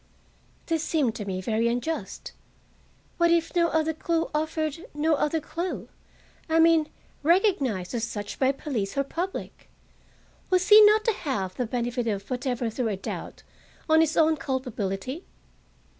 This seemed to me very unjust. What if no other clue offered—no other clue, I mean, recognized as such by police or public! Was he not to have the benefit of whatever threw a doubt on his own culpability?